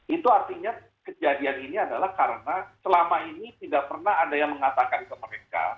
itu artinya kejadian ini adalah karena selama ini tidak pernah ada yang mengatakan ke mereka